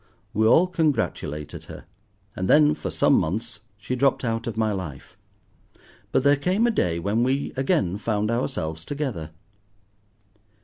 We all congratulated her, and then for some months she dropped out of my life. But there came a day when we again found ourselves together.